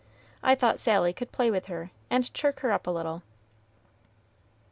I thought Sally could play with her, and chirk her up a little."